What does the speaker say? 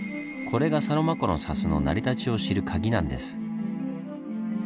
これがサロマ湖の砂州の成り立ちを知る鍵なんです。